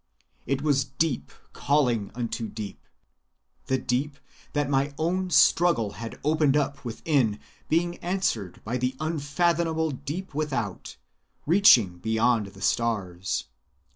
It was deep calling unto deep,—the deep that my own struggle had opened up within being answered by the unfathomable deep without, reaching beyond the stars.